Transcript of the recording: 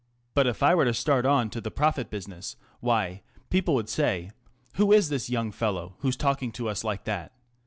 But if I were to start on to the prophet business, why, people would say, ' Who is this young fellow who's talking to us like that